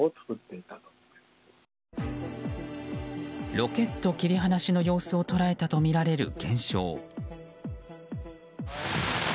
ロケット切り離しの様子を捉えたとみられる現象。